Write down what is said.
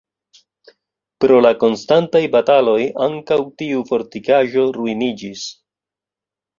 Pro la konstantaj bataloj ankaŭ tiu fortikaĵo ruiniĝis.